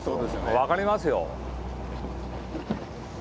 分かりますよ。